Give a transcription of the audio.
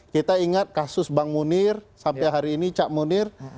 kita ingat kasus bang munir sampai hari ini cak munir